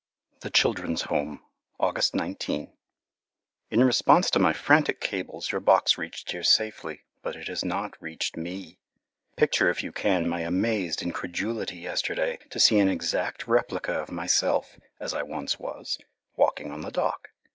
The Children's Home August 19 In response to my frantic cables your box reached here safely, but it has not reached me. Picture if you can my amazed incredulity yesterday to see an exact replica of myself as I once was, walking on the dock.